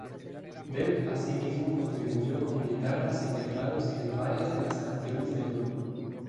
Delp asimismo contribuyó con guitarras y teclados en varias de las canciones del grupo.